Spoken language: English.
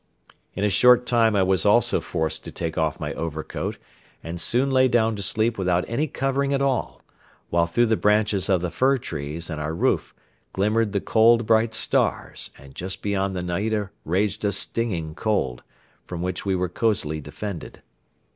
In a short time I was also forced to take off my overcoat and soon lay down to sleep without any covering at all, while through the branches of the fir trees and our roof glimmered the cold bright stars and just beyond the naida raged a stinging cold, from which we were cosily defended.